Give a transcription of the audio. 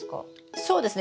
そうですね